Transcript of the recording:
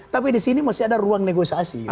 tapi di sini masih ada ruang negosiasi